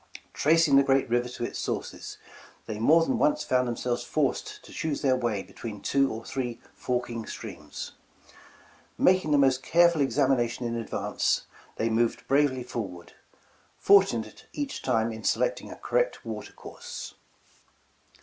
Tracing the great river to its sources, they more than once found themselves forced to choose their way between two or three forking streams. Making the most careful examination in advance, they moved bravely forward; fortunate each time in selecting a cor rect water course.